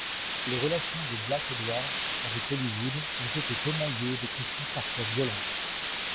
Les relations de Blake Edwards avec Hollywood ont été émaillées de conflits parfois violents.